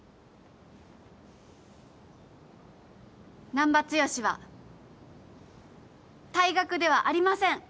難破剛は退学ではありません。